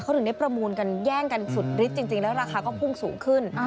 เขาถึงได้ประมูลกันแย่งกันสุดฤทธิ์จริงแล้วราคาก็พุ่งสูงขึ้น